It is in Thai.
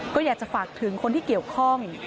ก็อยากจะฝากถึงคนที่เกี่ยวข้อง